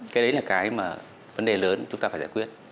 cái đấy là cái mà vấn đề lớn chúng ta phải giải quyết